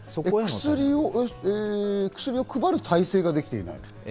薬を配る体制ができていない？